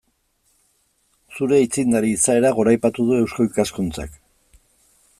Zure aitzindari izaera goraipatu du Eusko Ikaskuntzak.